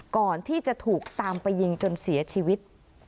ก่อนที่จะถูกตามไปยิงจนเสียชีวิต